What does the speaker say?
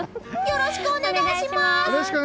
よろしくお願いします！